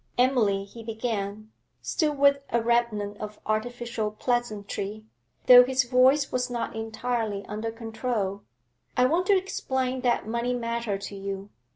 'Emily,' he began, still with a remnant of artificial pleasantry, though his voice was not entirely under control, 'I want to explain that money matter to you.